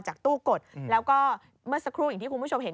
ตู้กดแล้วก็เมื่อสักครู่อย่างที่คุณผู้ชมเห็น